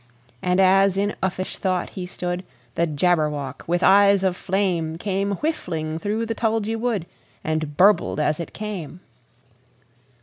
And as in uffish thought he stood, The Jabberwock, with eyes of flame, Came whiffling through the tulgey wood, And burbled as it came!